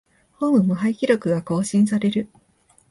ホーム無敗記録が更新される